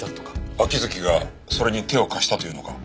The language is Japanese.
秋月がそれに手を貸したというのか？